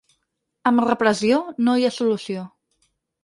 Amb repressió no hi ha solució.